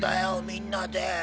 みんなで。